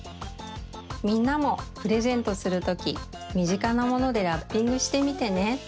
みんなもプレゼントするときみぢかなものでラッピングしてみてね。